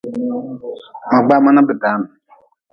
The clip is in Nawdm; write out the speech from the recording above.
Ma gbama na bi dan.